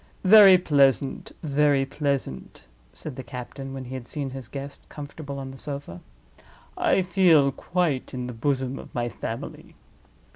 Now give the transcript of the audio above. "Very pleasant! very pleasant!" said the captain, when he had seen his guest comfortable on the sofa. "I feel quite in the bosom of my family.